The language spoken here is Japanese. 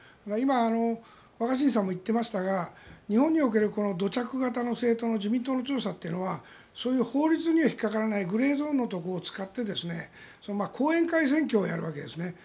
今、若新さんも言っていましたが日本における土着型の政党の自民党の強さというのはそういう法律には引っかからないグレーゾーンのところを使って後援会選挙をやるわけですね。